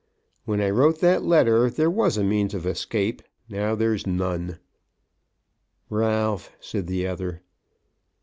When I wrote that letter there was a means of escape. Now there's none." "Ralph," said the other.